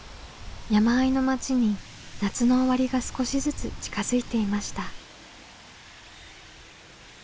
山あいの町に夏の終わりが少しずつ近づいていました。